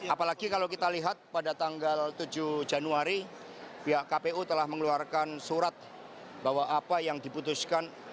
apalagi kalau kita lihat pada tanggal tujuh januari pihak kpu telah mengeluarkan surat bahwa apa yang diputuskan